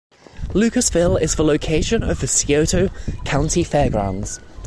Lucasville is the location of the Scioto County Fairgrounds.